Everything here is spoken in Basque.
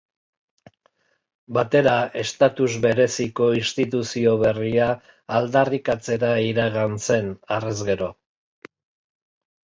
Batera estatus bereziko instituzio berria aldarrikatzera iragan zen, harrez gero.